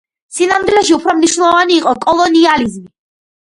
სინამდვილეში, უფრო მნიშვნელოვანი იყო კოლონიალიზმი.